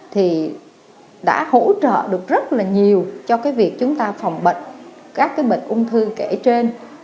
thì đã hỗ trợ được rất là nhiều cho cái việc chúng ta phòng bệnh các cái bệnh ung thư kể trên